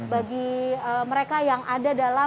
bagi mereka yang ada dalam